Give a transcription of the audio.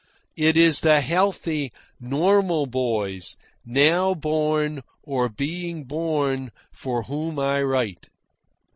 It is the healthy, normal boys, now born or being born, for whom I write.